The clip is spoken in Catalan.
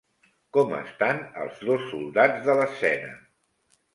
Com estan els dos soldats de l'escena?